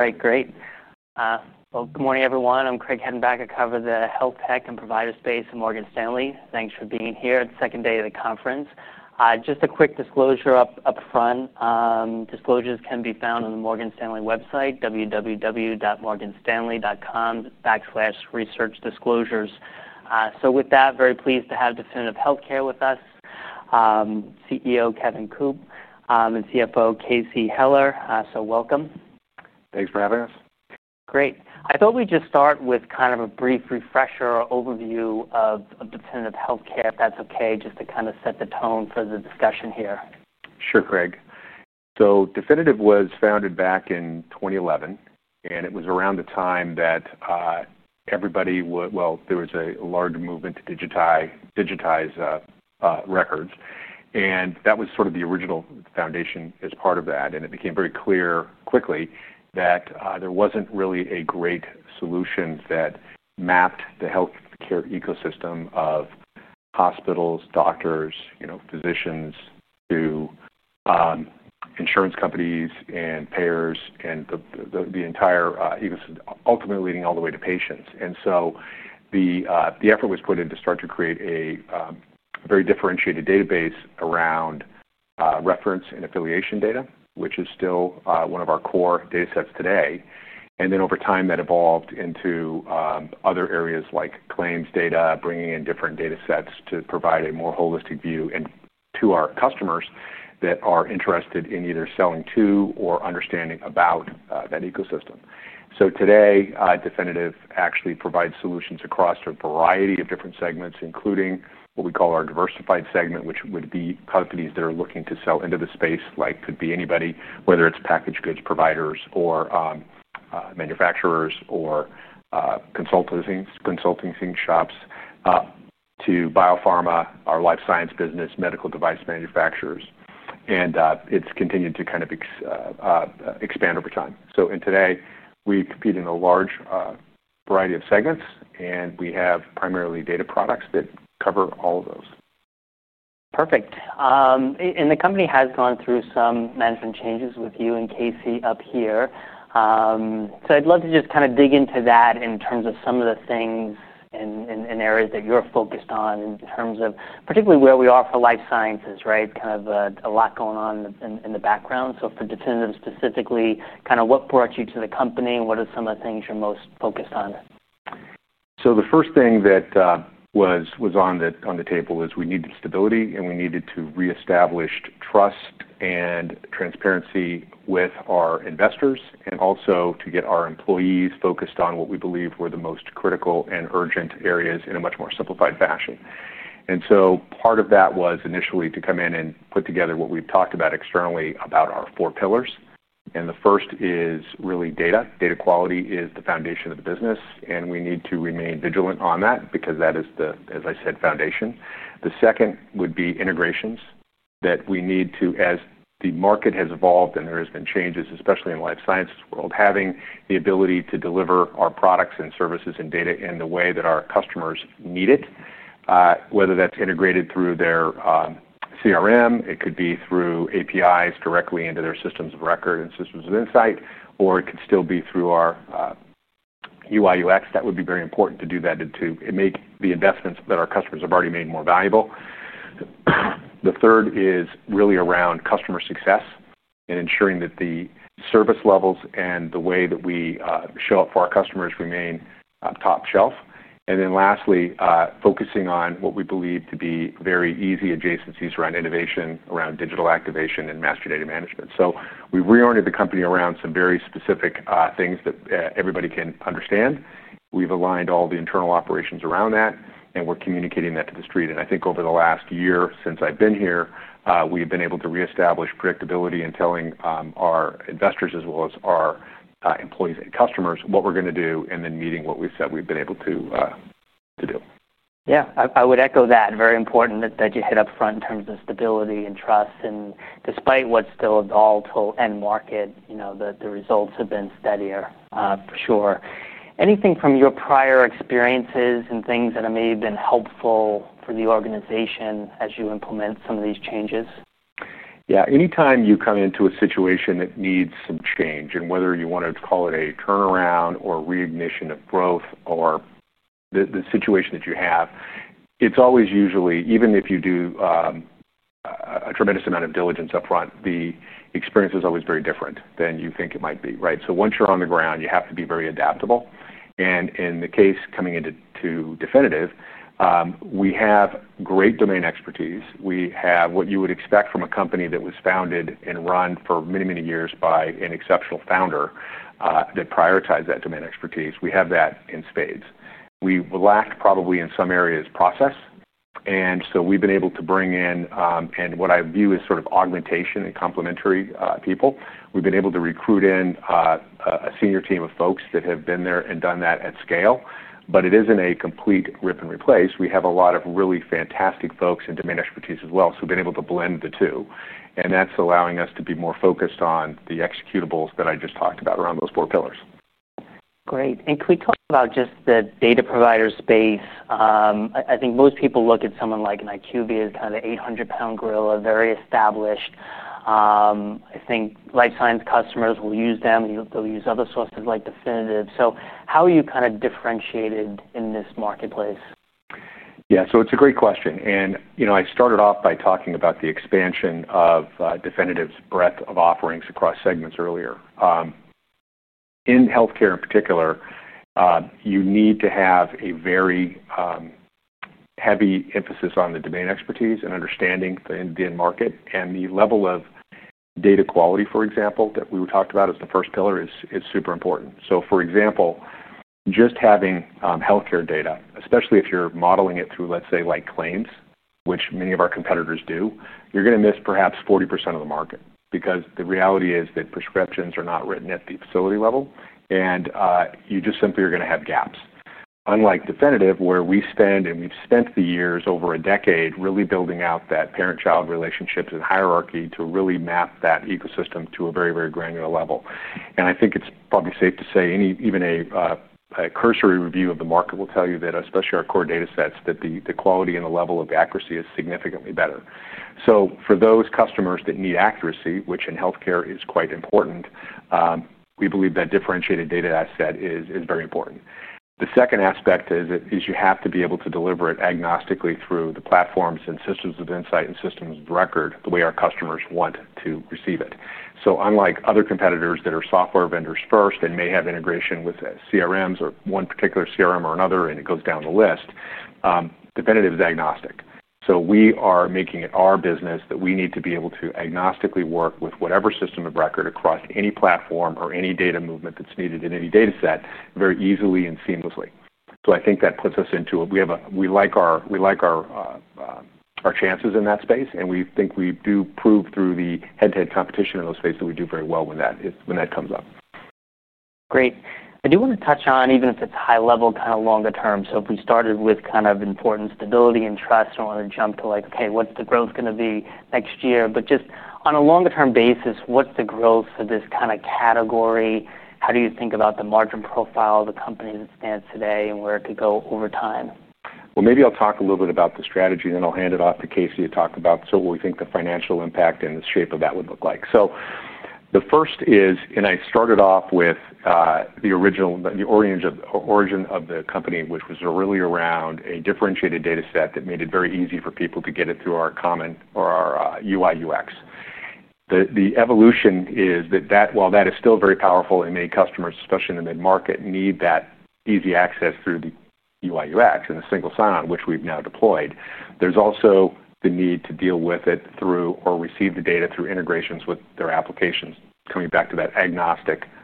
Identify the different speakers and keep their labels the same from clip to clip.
Speaker 1: All right. Great. Good morning, everyone. I'm Craig Hettenbach. I cover the health tech and provider space at Morgan Stanley. Thanks for being here. It's the second day of the conference. Just a quick disclosure up front. Disclosures can be found on the Morgan Stanley website, www.morganstanley.com/researchdisclosures. With that, very pleased to have Definitive Healthcare with us, CEO Kevin Coop, and CFO Casey Heller. Welcome.
Speaker 2: Thanks for having us.
Speaker 1: Great. I thought we'd just start with kind of a brief refresher or overview of Definitive Healthcare, if that's okay, just to set the tone for the discussion here.
Speaker 2: Sure, Craig. Definitive Healthcare was founded back in 2011, and it was around the time that there was a large movement to digitize records. That was sort of the original foundation as part of that. It became very clear quickly that there wasn't really a great solution that mapped the healthcare ecosystem of hospitals, doctors, physicians to insurance companies and payers and the entire ecosystem, ultimately leading all the way to patients. The effort was put in to start to create a very differentiated database around reference and affiliation data, which is still one of our core datasets today. Over time, that evolved into other areas like claims data, bringing in different datasets to provide a more holistic view to our customers that are interested in either selling to or understanding about that ecosystem. Today, Definitive Healthcare actually provides solutions across a variety of different segments, including what we call our diversified segment, which would be companies that are looking to sell into the space, like could be anybody, whether it's package goods providers, manufacturers, or consulting shops, to biopharma, our life sciences business, medical device manufacturers. It's continued to kind of expand over time. Today, we compete in a large variety of segments, and we have primarily data products that cover all of those.
Speaker 1: Perfect. The company has gone through some management changes with you and Casey up here. I'd love to just kind of dig into that in terms of some of the things and areas that you're focused on, particularly where we are for life sciences, right? Kind of a lot going on in the background. For Definitive Healthcare specifically, what brought you to the company, and what are some of the things you're most focused on?
Speaker 2: The first thing that was on the table is we needed stability, and we needed to reestablish trust and transparency with our investors, and also to get our employees focused on what we believe were the most critical and urgent areas in a much more simplified fashion. Part of that was initially to come in and put together what we've talked about externally about our four pillars. The first is really data. Data quality is the foundation of the business, and we need to remain vigilant on that because that is the, as I said, foundation. The second would be integrations that we need to, as the market has evolved and there have been changes, especially in the life sciences world, having the ability to deliver our products and services and data in the way that our customers need it, whether that's integrated through their CRM, it could be through APIs directly into their systems of record and systems of insight, or it could still be through our UI/UX. That would be very important to do that and to make the investments that our customers have already made more valuable. The third is really around customer success and ensuring that the service levels and the way that we show up for our customers remain top shelf. Lastly, focusing on what we believe to be very easy adjacencies around innovation, around digital activation, and master data management. We reoriented the company around some very specific things that everybody can understand. We've aligned all the internal operations around that, and we're communicating that to the street. I think over the last year since I've been here, we have been able to reestablish predictability in telling our investors, as well as our employees and customers what we're going to do and then meeting what we said we've been able to do.
Speaker 1: Yeah. I would echo that. Very important that you hit up front in terms of stability and trust. Despite what's still a volatile end market, the results have been steadier, for sure. Anything from your prior experiences and things that have maybe been helpful for the organization as you implement some of these changes?
Speaker 2: Anytime you come into a situation that needs some change, whether you want to call it a turnaround or reignition of growth or the situation that you have, it's always usually, even if you do a tremendous amount of diligence up front, the experience is always very different than you think it might be, right? Once you're on the ground, you have to be very adaptable. In the case coming into Definitive Healthcare, we have great domain expertise. We have what you would expect from a company that was founded and run for many, many years by an exceptional founder that prioritized that domain expertise. We have that in spades. We lacked probably in some areas process. We've been able to bring in, and what I view as sort of augmentation and complementary, people. We've been able to recruit in a senior team of folks that have been there and done that at scale. It isn't a complete rip and replace. We have a lot of really fantastic folks and domain expertise as well, being able to blend the two. That's allowing us to be more focused on the executables that I just talked about around those four pillars.
Speaker 1: Great. Can we talk about just the data provider space? I think most people look at someone like IQVIA, kind of the 800-pound gorilla, very established. I think life sciences customers will use them, and they'll use other sources like Definitive. How are you kind of differentiated in this marketplace?
Speaker 2: Yeah. It's a great question. I started off by talking about the expansion of Definitive's breadth of offerings across segments earlier. In healthcare in particular, you need to have a very heavy emphasis on the domain expertise and understanding the market and the level of data quality, for example, that we talked about as the first pillar, is super important. For example, just having healthcare data, especially if you're modeling it through, let's say, like claims, which many of our competitors do, you're going to miss perhaps 40% of the market because the reality is that prescriptions are not written at the facility level, and you just simply are going to have gaps. Unlike Definitive, where we stand and we've spent the years, over a decade, really building out that parent-child relationships and hierarchy to really map that ecosystem to a very, very granular level. I think it's probably safe to say even a cursory review of the market will tell you that, especially our core datasets, the quality and the level of accuracy is significantly better. For those customers that need accuracy, which in healthcare is quite important, we believe that differentiated data asset is very important. The second aspect is that you have to be able to deliver it agnostically through the platforms and systems of insight and systems of record the way our customers want to receive it. Unlike other competitors that are software vendors first and may have integration with CRMs or one particular CRM or another, and it goes down the list, Definitive Healthcare is agnostic. We are making it our business that we need to be able to agnostically work with whatever system of record across any platform or any data movement that's needed in any dataset very easily and seamlessly. I think that puts us into a, we like our chances in that space, and we think we do prove through the head-to-head competition in those spaces that we do very well when that comes up.
Speaker 1: Great. I do want to touch on, even if it's high level, kind of longer term. If we started with kind of important stability and trust, I want to jump to like, okay, what's the growth going to be next year? Just on a longer-term basis, what's the growth for this kind of category? How do you think about the margin profile of the company that stands today and where it could go over time?
Speaker 2: Maybe I'll talk a little bit about the strategy, and then I'll hand it off to Casey to talk about what we think the financial impact and the shape of that would look like. The first is, and I started off with, the origin of the company, which was really around a differentiated dataset that made it very easy for people to get it through our common or our UI/UX. The evolution is that while that is still very powerful and made customers, especially in the mid-market, need that easy access through the UI/UX and the single sign-on, which we've now deployed, there's also the need to deal with it through or receive the data through integrations with their applications, coming back to that agnostic approach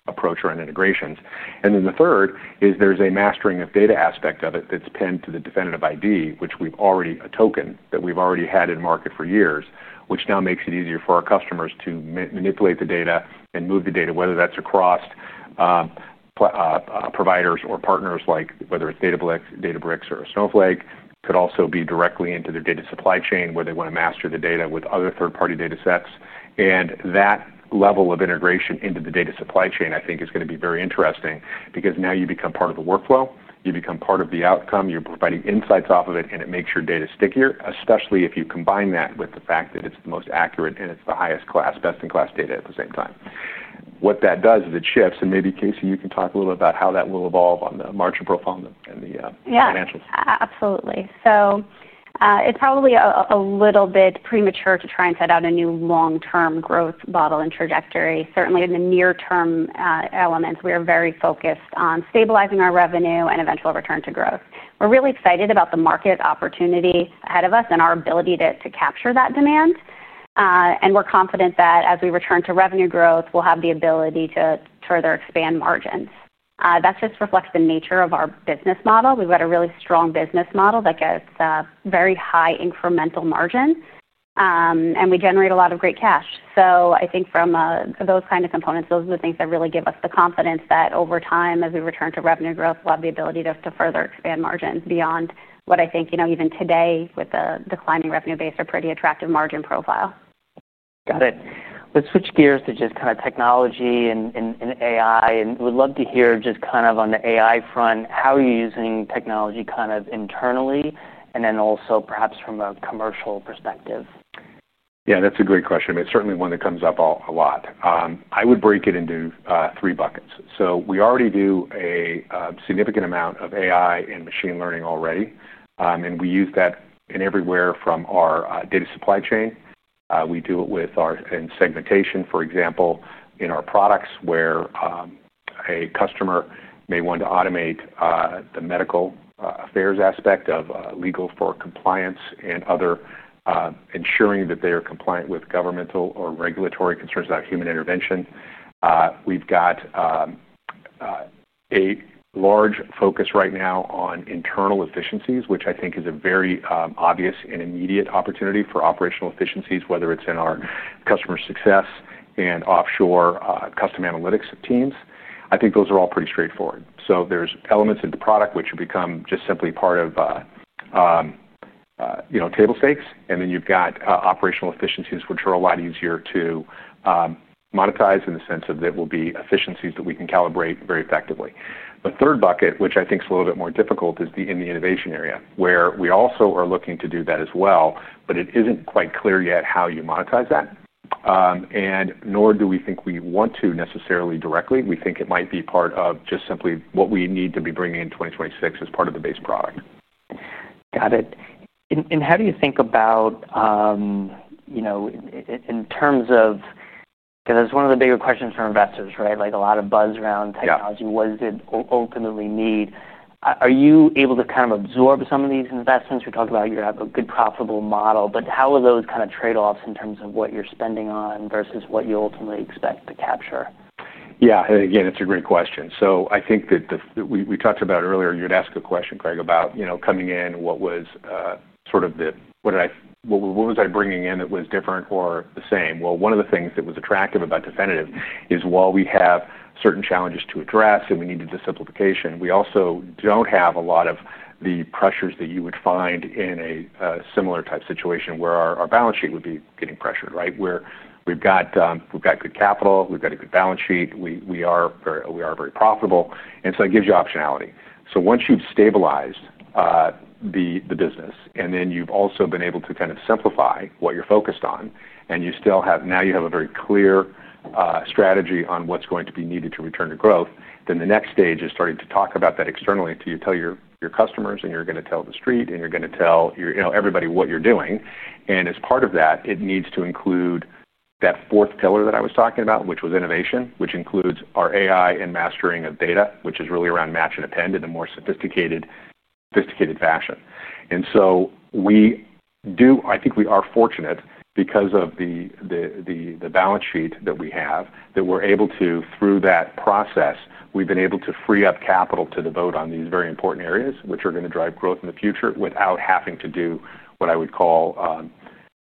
Speaker 2: around integrations. The third is there's a mastering of data aspect of it that's penned to the Definitive ID, which is a token that we've already had in market for years, which now makes it easier for our customers to manipulate the data and move the data, whether that's across providers or partners, like whether it's Databricks or Snowflake, could also be directly into their data supply chain where they want to master the data with other third-party datasets. That level of integration into the data supply chain, I think, is going to be very interesting because now you become part of the workflow. You become part of the outcome. You're providing insights off of it, and it makes your data stickier, especially if you combine that with the fact that it's the most accurate and it's the highest class, best-in-class data at the same time. What that does is it shifts. Maybe, Casey, you can talk a little bit about how that will evolve on the margin profile and the financials.
Speaker 3: Absolutely. It's probably a little bit premature to try and set out a new long-term growth model and trajectory. Certainly, in the near term, we are very focused on stabilizing our revenue and eventual return to growth. We're really excited about the market opportunity ahead of us and our ability to capture that demand. We're confident that as we return to revenue growth, we'll have the ability to further expand margins. That just reflects the nature of our business model. We've got a really strong business model that gets a very high incremental margin, and we generate a lot of great cash. I think from those kind of components, those are the things that really give us the confidence that over time, as we return to revenue growth, we'll have the ability to further expand margins beyond what I think, even today with the declining revenue base, is a pretty attractive margin profile.
Speaker 1: Got it. Let's switch gears to just kind of technology and AI. We'd love to hear just kind of on the AI front, how are you using technology kind of internally and then also perhaps from a commercial perspective?
Speaker 2: Yeah. That's a great question. It's certainly one that comes up a lot. I would break it into three buckets. We already do a significant amount of AI and machine learning already, and we use that everywhere from our data supply chain. We do it with our segmentation, for example, in our products where a customer may want to automate the medical affairs aspect of legal for compliance and other, ensuring that they are compliant with governmental or regulatory concerns about human intervention. We've got a large focus right now on internal efficiencies, which I think is a very obvious and immediate opportunity for operational efficiencies, whether it's in our customer success and offshore custom analytics teams. I think those are all pretty straightforward. There are elements of the product which have become just simply part of, you know, table stakes. Then you've got operational efficiencies, which are a lot easier to monetize in the sense that it will be efficiencies that we can calibrate very effectively. The third bucket, which I think is a little bit more difficult, is in the innovation area where we also are looking to do that as well, but it isn't quite clear yet how you monetize that, nor do we think we want to necessarily directly. We think it might be part of just simply what we need to be bringing in 2026 as part of the base product.
Speaker 1: Got it. How do you think about, you know, in terms of because that's one of the bigger questions for investors, right? Like a lot of buzz around technology. What does it ultimately need? Are you able to kind of absorb some of these investments? We talked about you have a good profitable model, but how are those kind of trade-offs in terms of what you're spending on versus what you ultimately expect to capture?
Speaker 2: Yeah. Again, it's a great question. I think that we talked about earlier, you'd ask a question, Craig, about, you know, coming in, what was, sort of the what did I what was I bringing in that was different or the same? One of the things that was attractive about Definitive is while we have certain challenges to address and we needed the simplification, we also don't have a lot of the pressures that you would find in a similar type situation where our balance sheet would be getting pressured, right? We've got good capital. We've got a good balance sheet. We are very profitable. It gives you optionality. Once you've stabilized the business, and then you've also been able to kind of simplify what you're focused on, and you still have now you have a very clear strategy on what's going to be needed to return to growth, the next stage is starting to talk about that externally to you, tell your customers, and you're going to tell the street, and you're going to tell your, you know, everybody what you're doing. As part of that, it needs to include that fourth pillar that I was talking about, which was innovation, which includes our AI and mastering of data, which is really around match and append in a more sophisticated fashion. We are fortunate because of the balance sheet that we have that we're able to, through that process, we've been able to free up capital to devote on these very important areas, which are going to drive growth in the future without having to do what I would call,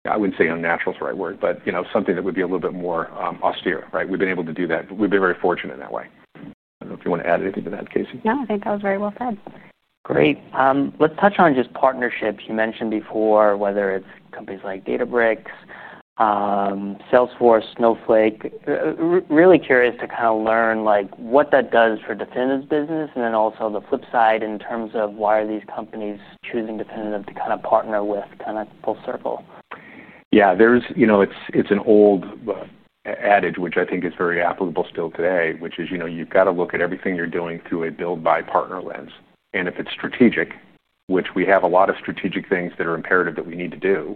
Speaker 2: I wouldn't say unnatural is the right word, but, you know, something that would be a little bit more austere, right? We've been able to do that. We've been very fortunate in that way. I don't know if you want to add anything to that, Casey.
Speaker 3: Yeah, I think that was very well said.
Speaker 1: Great. Let's touch on just partnerships. You mentioned before, whether it's companies like Databricks, Salesforce, Snowflake. Really curious to kind of learn what that does for Definitive's business and then also the flip side in terms of why are these companies choosing Definitive to kind of partner with, kind of full circle.
Speaker 2: Yeah. It's an old adage, which I think is very applicable still today, which is, you know, you've got to look at everything you're doing through a build-buy-partner lens. If it's strategic, which we have a lot of strategic things that are imperative that we need to do,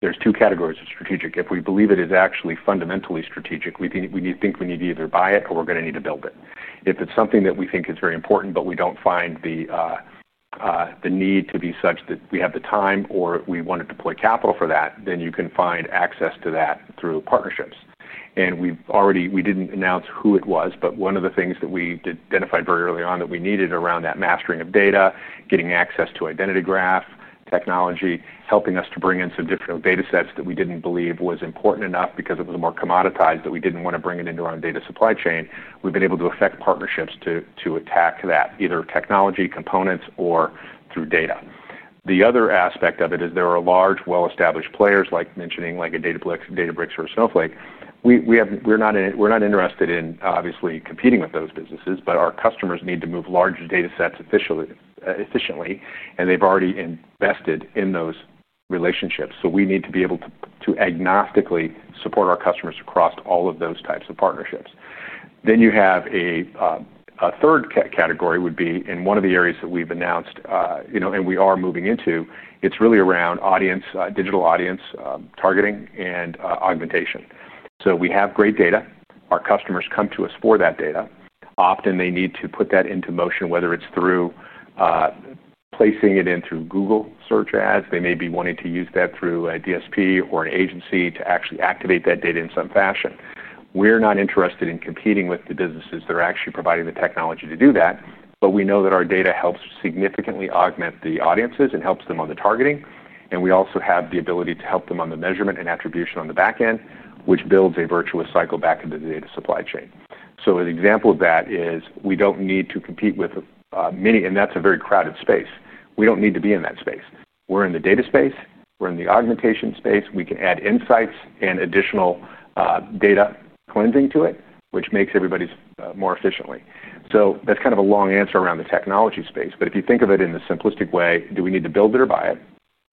Speaker 2: there are two categories of strategic. If we believe it is actually fundamentally strategic, we think we need to either buy it or we're going to need to build it. If it's something that we think is very important, but we don't find the need to be such that we have the time or we want to deploy capital for that, then you can find access to that through partnerships. We didn't announce who it was, but one of the things that we identified very early on that we needed around that mastering of data, getting access to identity graph technology, helping us to bring in some different datasets that we didn't believe was important enough because it was more commoditized that we didn't want to bring it into our own data supply chain. We've been able to effect partnerships to attack that, either technology components or through data. The other aspect of it is there are large well-established players like mentioning like a Databricks or a Snowflake. We are not interested in, obviously, competing with those businesses, but our customers need to move large datasets efficiently, and they've already invested in those relationships. We need to be able to agnostically support our customers across all of those types of partnerships. A third category would be in one of the areas that we've announced, and we are moving into. It's really around audience, digital audience, targeting and augmentation. We have great data. Our customers come to us for that data. Often, they need to put that into motion, whether it's through placing it in through Google search ads. They may be wanting to use that through a DSP or an agency to actually activate that data in some fashion. We're not interested in competing with the businesses that are actually providing the technology to do that, but we know that our data helps significantly augment the audiences and helps them on the targeting. We also have the ability to help them on the measurement and attribution on the back end, which builds a virtuous cycle back into the data supply chain. An example of that is we don't need to compete with many, and that's a very crowded space. We don't need to be in that space. We're in the data space. We're in the augmentation space. We can add insights and additional data cleansing to it, which makes everybody more efficient. That's kind of a long answer around the technology space. If you think of it in the simplistic way, do we need to build it or buy it,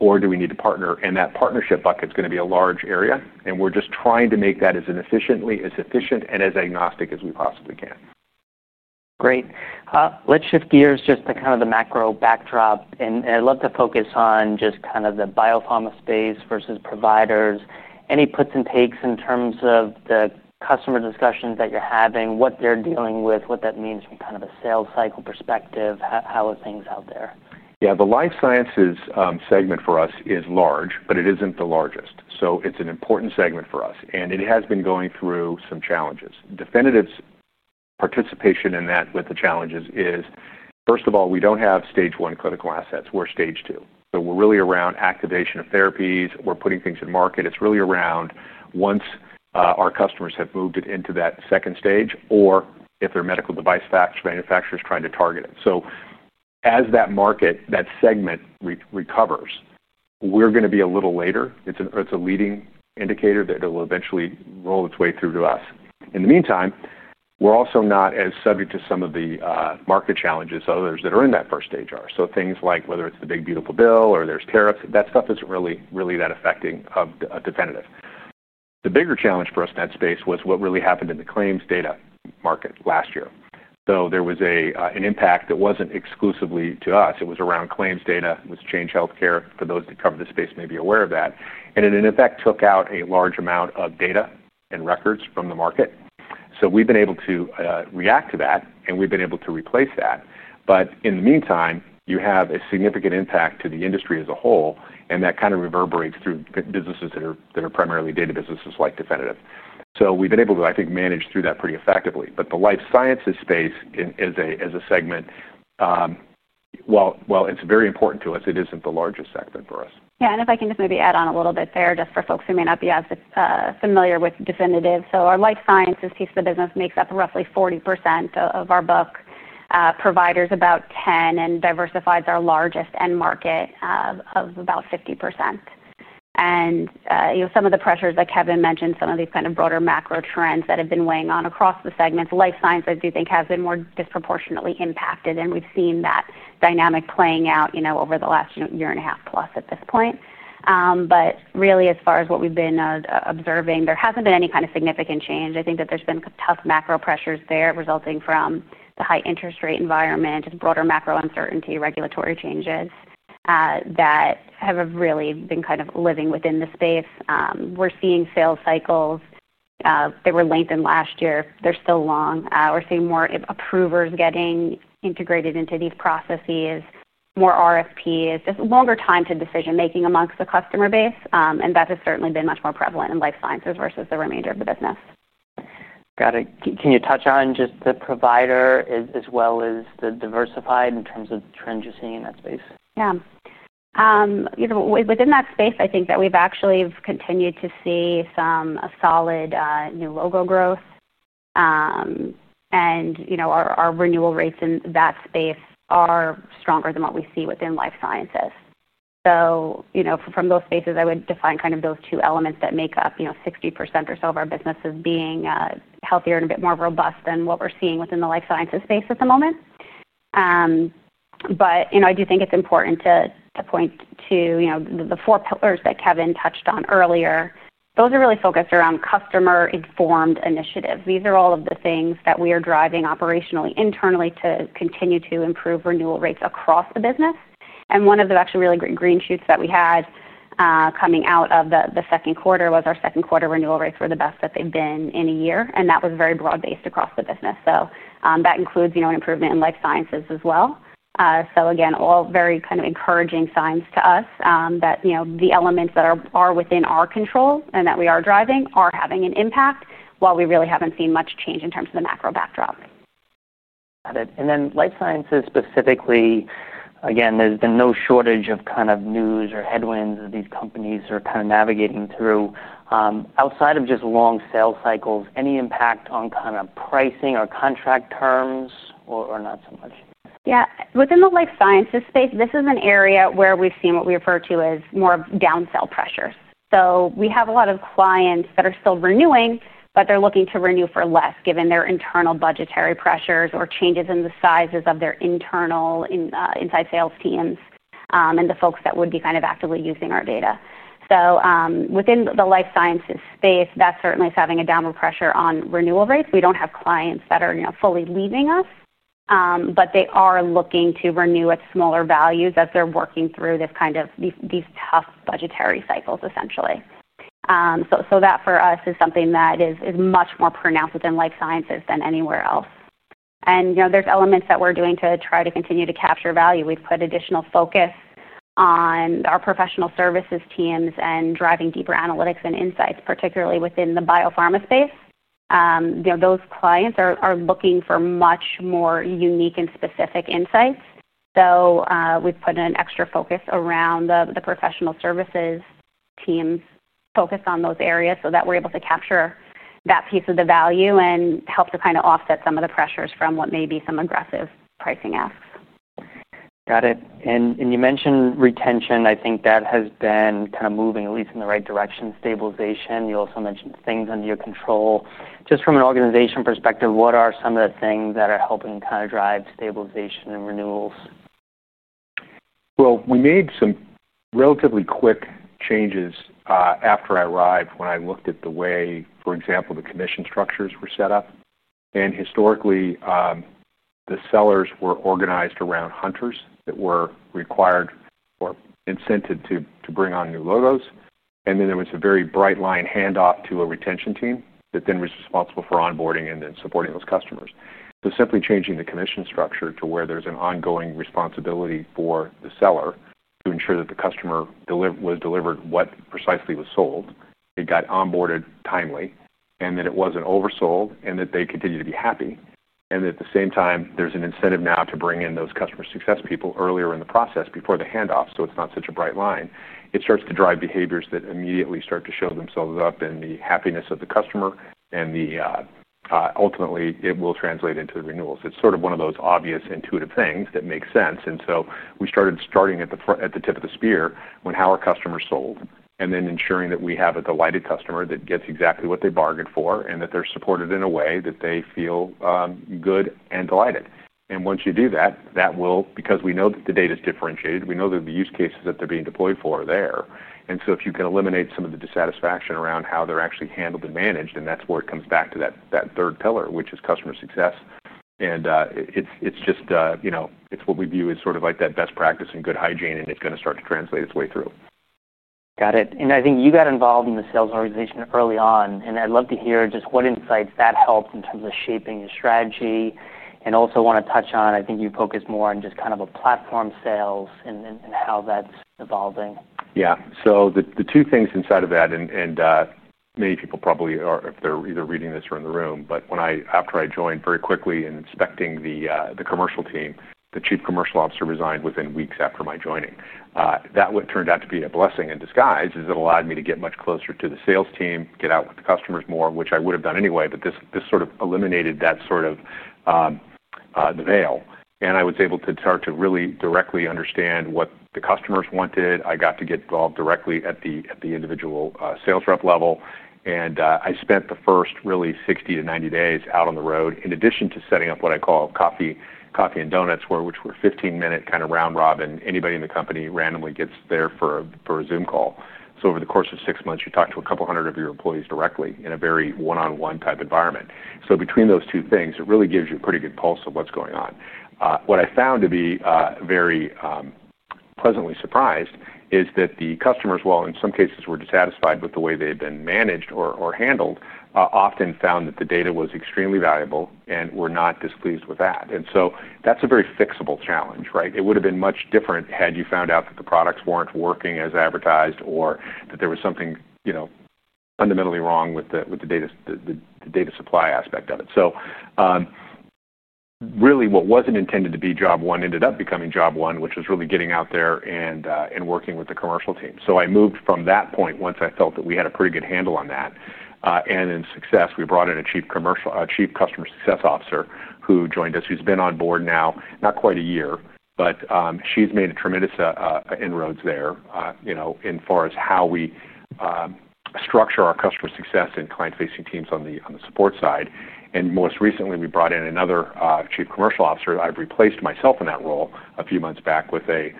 Speaker 2: or do we need to partner? That partnership bucket is going to be a large area. We're just trying to make that as efficient and as agnostic as we possibly can.
Speaker 1: Great. Let's shift gears just to kind of the macro backdrop. I'd love to focus on just kind of the biopharma space versus providers. Any puts and takes in terms of the customer discussions that you're having, what they're dealing with, what that means from kind of a sales cycle perspective, how are things out there?
Speaker 2: Yeah. The life sciences segment for us is large, but it isn't the largest. It's an important segment for us, and it has been going through some challenges. Definitive's participation in that with the challenges is, first of all, we don't have stage one clinical assets. We're stage two. We're really around activation of therapies. We're putting things in market. It's really around once our customers have moved it into that second stage or if they're medical device manufacturers trying to target it. As that market, that segment recovers, we're going to be a little later. It's a leading indicator that it'll eventually roll its way through to us. In the meantime, we're also not as subject to some of the market challenges others that are in that first stage are. Things like whether it's the big beautiful bill or there's tariffs, that stuff isn't really, really that affecting Definitive. The bigger challenge for us in that space was what really happened in the claims data market last year. There was an impact that wasn't exclusively to us. It was around claims data. It was Change Healthcare. For those that cover this space may be aware of that. It, in fact, took out a large amount of data and records from the market. We've been able to react to that, and we've been able to replace that. In the meantime, you have a significant impact to the industry as a whole, and that kind of reverberates through businesses that are primarily data businesses like Definitive. We've been able to, I think, manage through that pretty effectively. The life sciences space is a segment, while it's very important to us, it isn't the largest sector for us.
Speaker 3: Yeah. If I can just maybe add on a little bit there just for folks who may not be as familiar with Definitive. Our life sciences piece of the business makes up roughly 40% of our book, providers about 10%, and diversifies our largest end market, of about 50%. Some of the pressures that Kevin mentioned, some of these kind of broader macro trends that have been weighing on across the segments, life sciences I do think has been more disproportionately impacted. We've seen that dynamic playing out over the last 1.5+ years at this point. Really, as far as what we've been observing, there hasn't been any kind of significant change. I think that there's been tough macro pressures there resulting from the high interest rate environment and broader macro uncertainty, regulatory changes, that have really been kind of living within the space. We're seeing sales cycles. They were lengthened last year. They're still long. We're seeing more approvers getting integrated into these processes, more RFPs, just longer time to decision-making amongst the customer base. That has certainly been much more prevalent in life sciences versus the remainder of the business.
Speaker 1: Got it. Can you touch on just the provider as well as the diversified in terms of the trends you're seeing in that space?
Speaker 3: Yeah. Within that space, I think that we've actually continued to see some solid new logo growth, and our renewal rates in that space are stronger than what we see within life sciences. From those spaces, I would define kind of those two elements that make up, you know, 60% or so of our business as being healthier and a bit more robust than what we're seeing within the life sciences space at the moment. I do think it's important to point to the four pillars that Kevin touched on earlier. Those are really focused around customer-informed initiatives. These are all of the things that we are driving operationally internally to continue to improve renewal rates across the business. One of the actually really great green shoots that we had coming out of the second quarter was our second quarter renewal rates were the best that they've been in a year. That was very broad-based across the business, so that includes improvement in life sciences as well. All very kind of encouraging signs to us that the elements that are within our control and that we are driving are having an impact while we really haven't seen much change in terms of the macro backdrop.
Speaker 1: Got it. In the life sciences segment specifically, there's been no shortage of news or macroeconomic headwinds that these companies are navigating through. Outside of just long sales cycles, any impact on pricing or contract terms, or not so much?
Speaker 3: Yeah. Within the life sciences segment, this is an area where we've seen what we refer to as more of downsell pressures. We have a lot of clients that are still renewing, but they're looking to renew for less given their internal budgetary pressures or changes in the sizes of their internal inside sales teams, and the folks that would be actively using our data. Within the life sciences segment, that certainly is having a downward pressure on customer renewal rates. We don't have clients that are, you know, fully leaving us, but they are looking to renew at smaller values as they're working through these tough budgetary cycles, essentially. That for us is something that is much more pronounced within life sciences than anywhere else. There's elements that we're doing to try to continue to capture value. We've put additional focus on our professional services teams and driving deeper analytics and insights, particularly within the biopharma space. You know, those clients are looking for much more unique and specific insights. We've put an extra focus around the professional services teams focused on those areas so that we're able to capture that piece of the value and help to offset some of the pressures from what may be some aggressive pricing asks.
Speaker 1: Got it. You mentioned retention. I think that has been kind of moving at least in the right direction, stabilization. You also mentioned things under your control. Just from an organization perspective, what are some of the things that are helping kind of drive stabilization and renewals?
Speaker 2: We made some relatively quick changes after I arrived when I looked at the way, for example, the commission structures were set up. Historically, the sellers were organized around hunters that were required or incented to bring on new logos, and then there was a very bright line handoff to a retention team that then was responsible for onboarding and then supporting those customers. Simply changing the commission structure to where there's an ongoing responsibility for the seller to ensure that the customer was delivered what precisely was sold, it got onboarded timely, and that it wasn't oversold, and that they continue to be happy. At the same time, there's an incentive now to bring in those customer success people earlier in the process before the handoff so it's not such a bright line. It starts to drive behaviors that immediately start to show themselves up in the happiness of the customer, and ultimately, it will translate into the renewals. It's sort of one of those obvious, intuitive things that make sense. We started starting at the tip of the spear on how our customers sold and then ensuring that we have a delighted customer that gets exactly what they bargained for and that they're supported in a way that they feel good and delighted. Once you do that, that will, because we know that the data is differentiated, we know that the use cases that they're being deployed for are there. If you can eliminate some of the dissatisfaction around how they're actually handled and managed, that's where it comes back to that third pillar, which is customer success. It's just, you know, it's what we view as sort of like that best practice and good hygiene, and it's going to start to translate its way through.
Speaker 1: Got it. I think you got involved in the sales organization early on. I'd love to hear just what insights that helped in terms of shaping your strategy. I also want to touch on, I think you focused more on just kind of a platform sales and how that's evolving.
Speaker 2: Yeah. The two things inside of that, many people probably are if they're either reading this or in the room, but after I joined very quickly and inspecting the commercial team, the Chief Commercial Officer resigned within weeks after my joining. What turned out to be a blessing in disguise is it allowed me to get much closer to the sales team, get out with the customers more, which I would have done anyway, but this eliminated that sort of veil. I was able to start to really directly understand what the customers wanted. I got to get involved directly at the individual sales rep level. I spent the first really 60-90 days out on the road in addition to setting up what I call coffee and donuts, which were 15-minute kind of round robin. Anybody in the company randomly gets there for a Zoom call. Over the course of six months, you talk to a couple hundred of your employees directly in a very one-on-one type environment. Between those two things, it really gives you a pretty good pulse of what's going on. What I found to be very pleasantly surprising is that the customers, while in some cases were dissatisfied with the way they had been managed or handled, often found that the data was extremely valuable and were not displeased with that. That's a very fixable challenge, right? It would have been much different had you found out that the products weren't working as advertised or that there was something fundamentally wrong with the data supply aspect of it. What wasn't intended to be job one ended up becoming job one, which was really getting out there and working with the commercial team. I moved from that point once I felt that we had a pretty good handle on that. In success, we brought in a Chief Customer Success Officer who joined us, who's been on board now, not quite a year, but she's made tremendous inroads there as far as how we structure our customer success and client-facing teams on the support side. Most recently, we brought in another Chief Commercial Officer. I've replaced myself in that role a few months back with a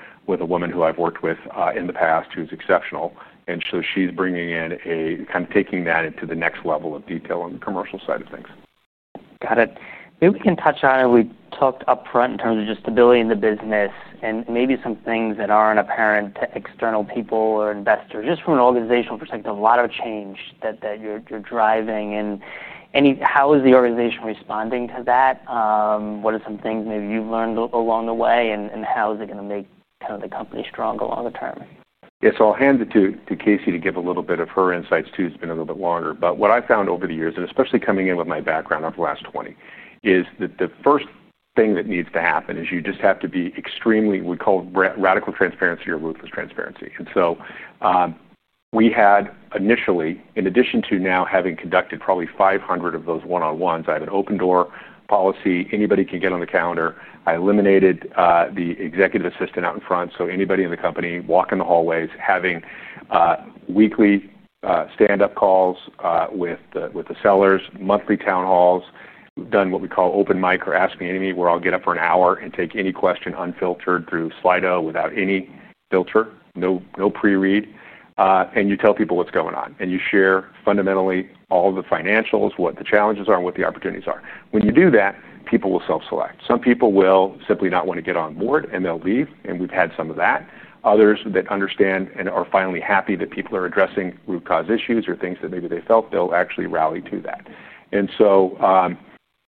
Speaker 2: woman who I've worked with in the past, who's exceptional. She's bringing in and taking that into the next level of detail on the commercial side of things.
Speaker 1: Got it. Maybe we can touch on, and we talked upfront in terms of just stability in the business and maybe some things that aren't apparent to external people or investors. Just from an organizational perspective, a lot of change that you're driving. How is the organization responding to that? What are some things maybe you've learned along the way, and how is it going to make kind of the company stronger longer term?
Speaker 2: Yeah. I'll hand it to Casey to give a little bit of her insights too. It's been a little bit longer. What I found over the years, and especially coming in with my background over the last 20 years, is that the first thing that needs to happen is you just have to be extremely, we call it radical transparency or ruthless transparency. We had initially, in addition to now having conducted probably 500 of those one-on-ones, I have an open-door policy. Anybody can get on the calendar. I eliminated the executive assistant out in front. Anybody in the company walking the hallways, having weekly stand-up calls with the sellers, monthly town halls, done what we call open mic or ask me anything where I'll get up for an hour and take any question unfiltered through Slido without any filter, no pre-read, and you tell people what's going on. You share fundamentally all the financials, what the challenges are, and what the opportunities are. When you do that, people will self-select. Some people will simply not want to get on board, and they'll leave. We've had some of that. Others that understand and are finally happy that people are addressing root cause issues or things that maybe they felt, they'll actually rally to that.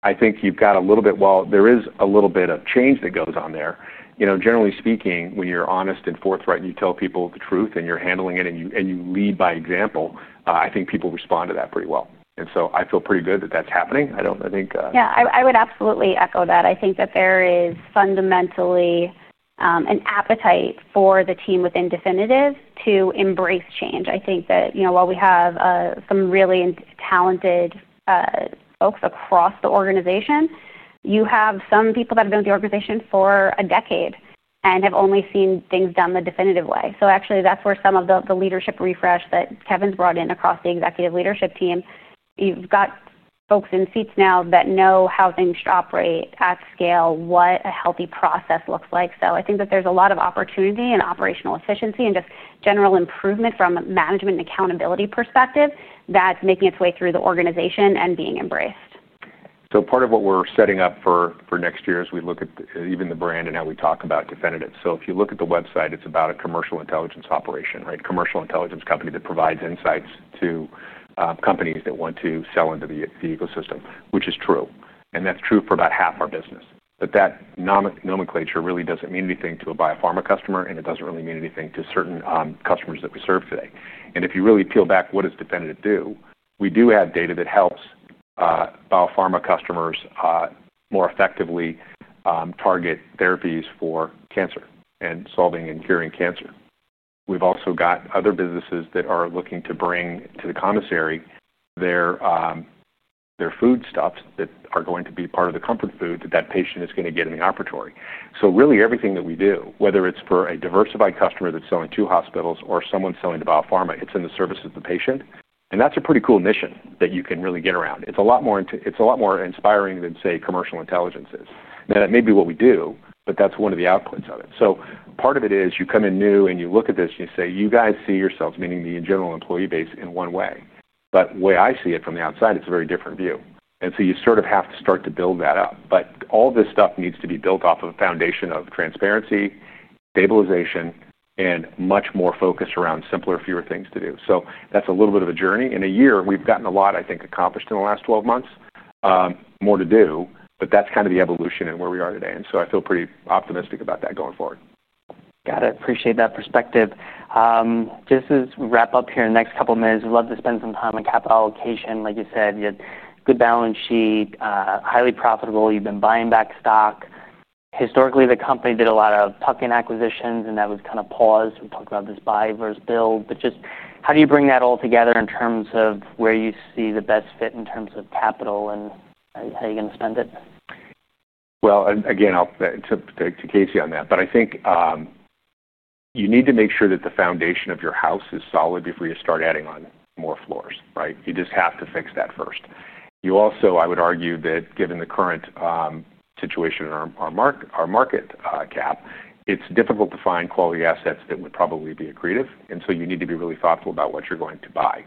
Speaker 2: I think you've got a little bit, well, there is a little bit of change that goes on there. Generally speaking, when you're honest and forthright and you tell people the truth and you're handling it and you lead by example, I think people respond to that pretty well. I feel pretty good that that's happening. I don't, I think,
Speaker 3: Yeah. I would absolutely echo that. I think that there is fundamentally an appetite for the team within Definitive to embrace change. I think that, you know, while we have some really talented folks across the organization, you have some people that have been with the organization for a decade and have only seen things done the Definitive way. Actually, that's where some of the leadership refresh that Kevin's brought in across the executive leadership team comes in. You've got folks in seats now that know how things should operate at scale, what a healthy process looks like. I think that there's a lot of opportunity and operational efficiency and just general improvement from a management and accountability perspective that's making its way through the organization and being embraced.
Speaker 2: Part of what we're setting up for next year as we look at even the brand and how we talk about Definitive. If you look at the website, it's about a commercial intelligence operation, right? Commercial intelligence company that provides insights to companies that want to sell into the ecosystem, which is true. That's true for about half our business. That nomenclature really doesn't mean anything to a biopharma customer, and it doesn't really mean anything to certain customers that we serve today. If you really peel back what does Definitive do, we do have data that helps biopharma customers more effectively target therapies for cancer and solving and curing cancer. We've also got other businesses that are looking to bring to the commissary their foodstuffs that are going to be part of the comfort food that that patient is going to get in the operatory. Really, everything that we do, whether it's for a diversified customer that's selling to hospitals or someone selling to biopharma, it's in the service of the patient. That's a pretty cool mission that you can really get around. It's a lot more inspiring than, say, commercial intelligence is. That may be what we do, but that's one of the outputs of it. You come in new and you look at this and you say, you guys see yourselves, meaning the general employee base, in one way. The way I see it from the outside, it's a very different view. You sort of have to start to build that up. All this stuff needs to be built off of a foundation of transparency, stabilization, and much more focus around simpler, fewer things to do. That's a little bit of a journey. In a year, we've gotten a lot, I think, accomplished in the last 12 months. More to do, but that's kind of the evolution and where we are today. I feel pretty optimistic about that going forward.
Speaker 1: Got it. Appreciate that perspective. Just as we wrap up here in the next couple of minutes, I'd love to spend some time on capital allocation. Like you said, you had a good balance sheet, highly profitable. You've been buying back stock. Historically, the company did a lot of tuck-in acquisitions, and that was kind of paused. We're talking about this buy versus build. Just how do you bring that all together in terms of where you see the best fit in terms of capital and how you're going to spend it?
Speaker 2: I'll tip to Casey on that. I think you need to make sure that the foundation of your house is solid before you start adding on more floors, right? You just have to fix that first. I would argue that given the current situation in our market, gap, it's difficult to find quality assets that would probably be accretive. You need to be really thoughtful about what you're going to buy.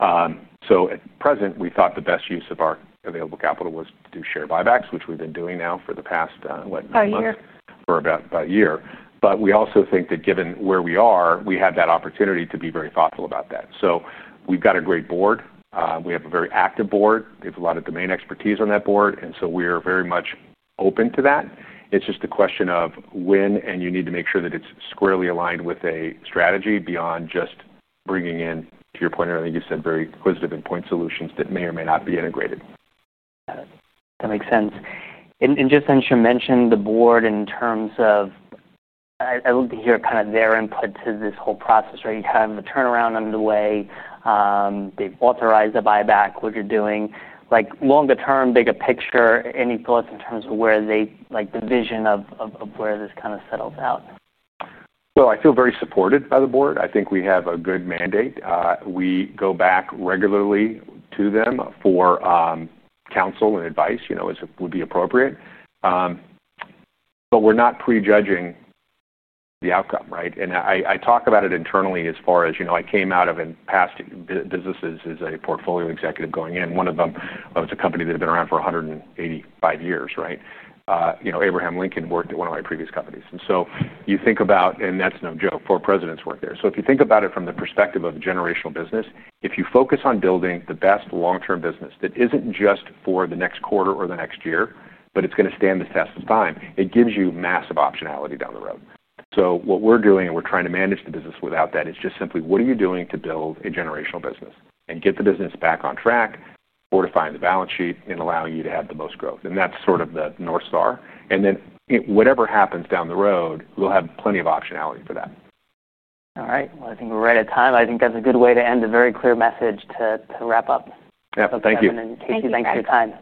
Speaker 2: At present, we thought the best use of our available capital was to do share buybacks, which we've been doing now for the past, what, a year?
Speaker 3: A year.
Speaker 2: For about a year. We also think that given where we are, we have that opportunity to be very thoughtful about that. We've got a great board, we have a very active board, and we have a lot of domain expertise on that board. We are very much open to that. It's just a question of when, and you need to make sure that it's squarely aligned with a strategy beyond just bringing in, to your point, everything you said, very acquisitive and point solutions that may or may not be integrated. Got it. That makes sense. Since you mentioned the board in terms of, I'd love to hear kind of their input to this whole process, right? You have the turnaround underway. They've authorized the buyback, what you're doing. Longer term, bigger picture, any thoughts in terms of where they, like the vision of where this kind of settles out? I feel very supported by the board. I think we have a good mandate. We go back regularly to them for counsel and advice, as it would be appropriate. We're not prejudging the outcome, right? I talk about it internally as far as, you know, I came out of and past businesses as a portfolio executive going in. One of them, it was a company that had been around for 185 years, right? You know, Abraham Lincoln worked at one of my previous companies. You think about, and that's no joke, four presidents worked there. If you think about it from the perspective of a generational business, if you focus on building the best long-term business that isn't just for the next quarter or the next year, but it's going to stand the test of time, it gives you massive optionality down the road. What we're doing and we're trying to manage the business without that is just simply, what are you doing to build a generational business and get the business back on track, fortifying the balance sheet, and allowing you to have the most growth? That's sort of the North Star. Whatever happens down the road, we'll have plenty of optionality for that.
Speaker 1: All right. I think we're right at time. I think that's a good way to end, a very clear message to wrap up.
Speaker 2: Yeah, thank you.
Speaker 1: Casey, thanks for your time.